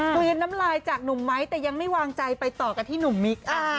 เกลียนน้ำลายจากหนุ่มไม้แต่ยังไม่วางใจไปต่อกันที่หนุ่มมิก